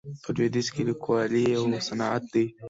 په لویدیځ کې لیکوالي یو صنعت دی.